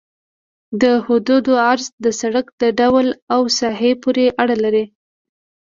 د حدودو عرض د سرک د ډول او ساحې پورې اړه لري